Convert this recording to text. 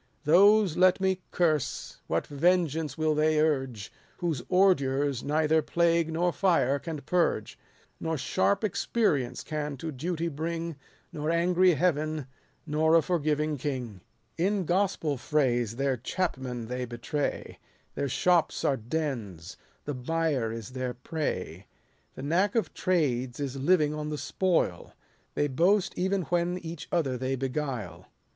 Those let me curse ; what vengeance will they urge, Whose ordures neither plague nor fire can purge ? Xor sharp experience can to duty bring, Xor angry Heaven, nor a fonriving king j 19 o In gospel phrase, their chapmen they betray ; Their shops are dens, the buyer is their prey. The knack of trades is living on the spoil ; They boast even when each other they beguile.